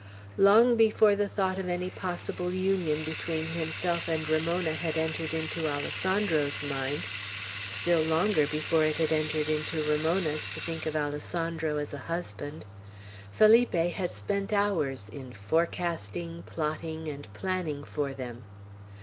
Long before the thought of any possible union between himself and Ramona had entered into Alessandro's mind, still longer before it had entered into Ramona's to think of Alessandro as a husband, Felipe had spent hours in forecasting, plotting, and planning for them.